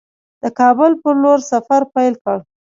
د کابل پر لور سفر پیل کړ.